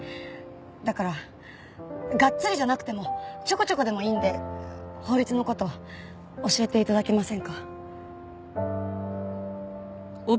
だからがっつりじゃなくてもちょこちょこでもいいんで法律の事教えて頂けませんか？